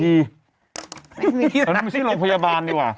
มีชื่อรองพยาบาลเยอะกว่า